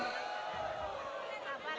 bapak anies rasid baswedan